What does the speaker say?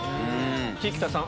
菊田さん